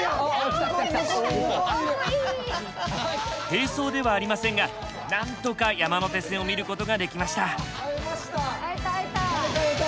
並走ではありませんがなんとか山手線を見ることができました。